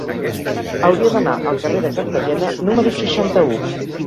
Hauria d'anar al carrer de Cartagena número seixanta-u.